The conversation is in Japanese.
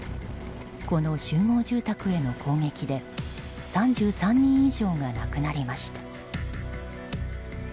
この集合住宅への攻撃で３３人以上が亡くなりました。